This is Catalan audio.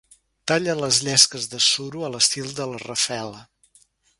Talla les llesques de suro a l'estil de la Raffaela.